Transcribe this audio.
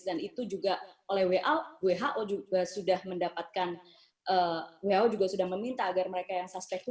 dan itu juga oleh who juga sudah mendapatkan who juga sudah meminta agar mereka yang suspek pun